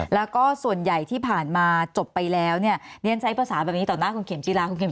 แล้วก็ส่วนใหญ่ที่ผ่านมาจบไปแล้วเนี่ยเลี่ยนใส่ภาษาต่อหน้าคุณเข็มทรีย์ลา